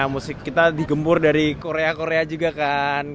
musik kita digempur dari korea korea juga kan